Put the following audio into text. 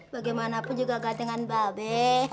bagaimanapun juga gak dengan pak be